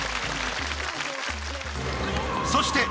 ・そして。